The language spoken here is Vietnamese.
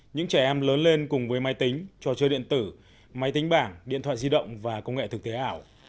những trẻ em lớn lên cùng với máy tính trò chơi điện tử máy tính bảng điện thoại di động và công nghệ thực tế ảo